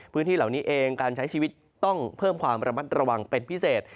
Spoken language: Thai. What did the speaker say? พื้นที่เหล่านี้เองการใช้ชีวิตต้องเพิ่มความระมัดระวังเป็นพิเศษ